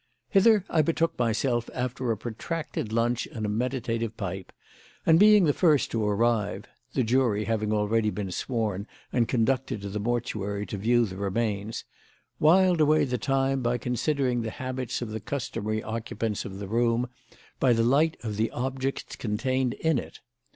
Hither I betook myself after a protracted lunch and a meditative pipe, and, being the first to arrive the jury having already been sworn and conducted to the mortuary to view the remains whiled away the time by considering the habits of the customary occupants of the room by the light of the objects contained in it.